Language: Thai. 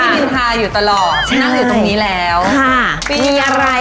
ไม่นานอยู่ตรงนี้เเค้า